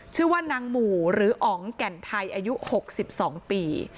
ชื่อว่านางหมู่หรืออ๋องแก่นไทยอายุ๖๒ปี